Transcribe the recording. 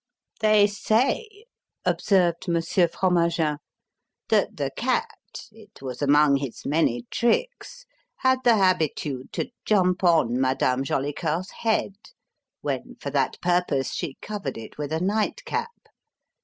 "They say," observed Monsieur Fromagin, "that the cat it was among his many tricks had the habitude to jump on Madame Jolicoeur's head when, for that purpose, she covered it with a night cap.